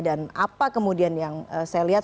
dan apa kemudian yang saya lihat